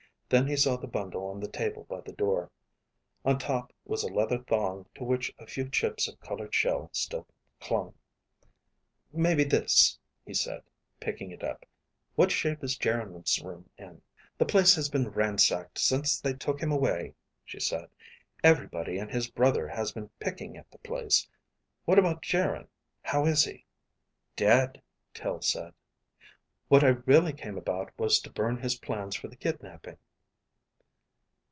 Then he saw the bundle on the table by the door. On top was a leather thong to which a few chips of colored shell still clung. "Maybe this," he said, picking it up. "What shape is Geryn's room in?" "The place has been ransacked since they took him away," she said. "Everybody and his brother has been picking at the place. What about Geryn, how is he?" "Dead," Tel said. "What I really came about was to burn his plans for the kidnaping."